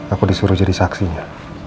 aku disuruh jadi saksinya